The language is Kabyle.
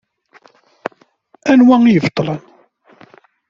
Anwa i ibeṭṭlen?